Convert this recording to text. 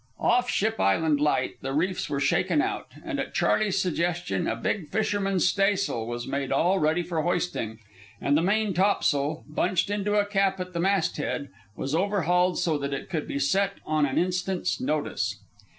Off Ship Island Light the reefs were shaken out, and at Charley's suggestion a big fisherman's staysail was made all ready for hoisting, and the main topsail, bunched into a cap at the masthead, was overhauled so that it could be set on an instant's notice.